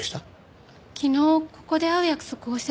昨日ここで会う約束をしてたんですけど。